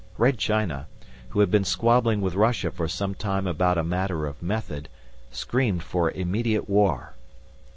Red China, which had been squabbling with Russia for some time about a matter of method, screamed for immediate war.